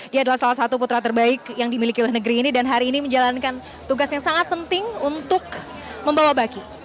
dia adalah salah satu putra terbaik yang dimiliki oleh negeri ini dan hari ini menjalankan tugas yang sangat penting untuk membawa baki